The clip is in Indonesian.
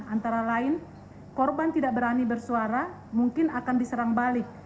antara lain korban tidak berani bersuara mungkin akan diserang balik